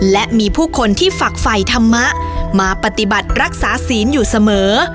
และมีผู้คนที่ฝักไฟธรรมะมาปฏิบัติรักษาศีลอยู่เสมอ